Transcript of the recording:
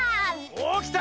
おっきた！